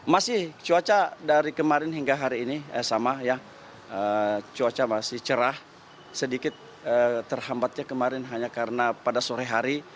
masih cuaca dari kemarin hingga hari ini sama ya cuaca masih cerah sedikit terhambatnya kemarin hanya karena pada sore hari